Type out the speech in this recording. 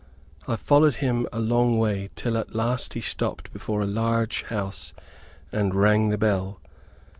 I followed him a long way, till at last he stopped before a large house, and rang the bell.